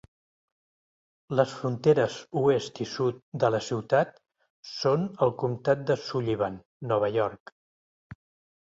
Les fronteres oest i sud de la ciutat són el comtat de Sullivan, Nova York.